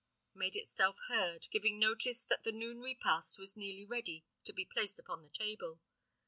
made itself heard, giving notice that the noon repast was nearly ready to be placed upon the table.